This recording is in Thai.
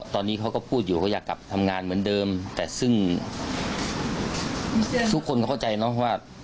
ตอนนี้เขาก็พูดอยู่ก็อยากกลับทำงานเหมือนเดิมแต่ซึ่งทุกคนเข้าใจเนอะว่า